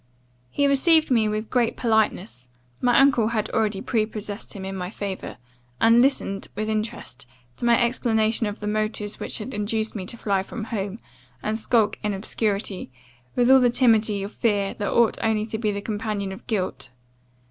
"He received me with great politeness (my uncle had already prepossessed him in my favour), and listened, with interest, to my explanation of the motives which had induced me to fly from home, and skulk in obscurity, with all the timidity of fear that ought only to be the companion of guilt.